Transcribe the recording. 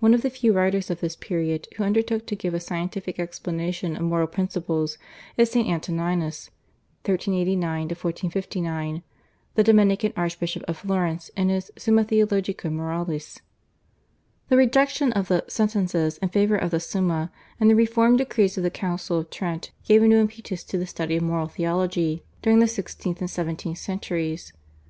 One of the few writers of this period who undertook to give a scientific explanation of moral principles is St. Antoninus (1389 1459), the Dominican Archbishop of Florence, in his /Summa Theologica Moralis/. The rejection of the /Sentences/ in favour of the /Summa/, and the reform decrees of the Council of Trent gave a new impetus to the study of moral theology during the sixteenth and seventeenth centuries.